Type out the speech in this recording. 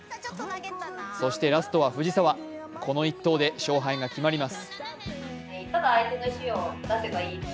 そしてラストは藤澤、この一投で勝敗が決まります。